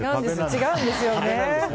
違うんですよね。